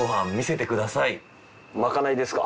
まかないですか？